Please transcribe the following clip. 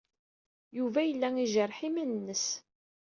Yuba yella ijerreḥ iman-nnes.